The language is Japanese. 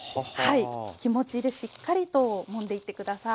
気持ちでしっかりともんでいって下さい。